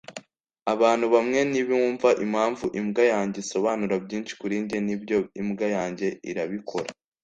abantu bamwe ntibumva impamvu imbwa yanjye isobanura byinshi kuri njye nibyo imbwa yanjye irabikora